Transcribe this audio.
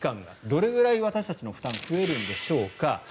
どれぐらい私たちの負担増えるんでしょうか。